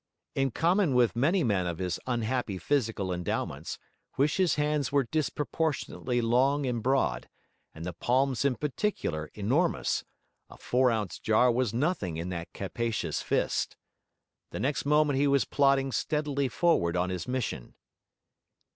In common with many men of his unhappy physical endowments, Huish's hands were disproportionately long and broad, and the palms in particular enormous; a four ounce jar was nothing in that capacious fist. The next moment he was plodding steadily forward on his mission.